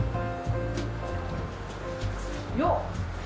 よっ！